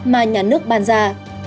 mà nhà nước ban ra